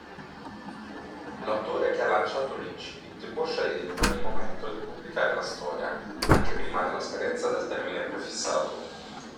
L'autore che ha lanciato l'Incipit può scegliere in ogni momento di pubblicare la storia, anche prima della scadenza del termine prefissato.